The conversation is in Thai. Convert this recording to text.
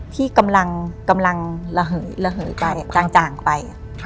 ที่กำลังระเหยไปจ่างไป